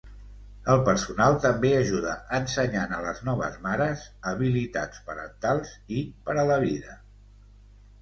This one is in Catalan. El personal també ajuda ensenyant a les noves mares habilitats parentals i per a la vida.